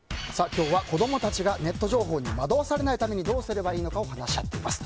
今日は子供たちがネット情報に惑わされないためにどうすればいいのかを話し合っています。